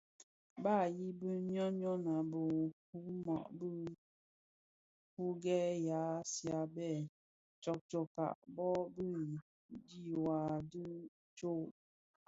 Ba yibi ňyon ňyon a biwuma bi yughèn ya Azia bè tsotsoka bō bi dhiwa di tsog.